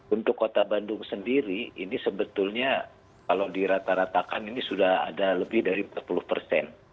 untuk kota bandung sendiri ini sebetulnya kalau dirata ratakan ini sudah ada lebih dari empat puluh persen